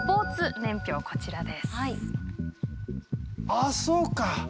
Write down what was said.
ああそうか！